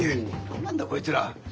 何なんだこいつら。